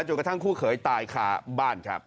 กระทั่งคู่เขยตายคาบ้านครับ